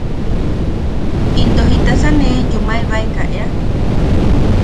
Into jitasa ne yuumabaeka ea.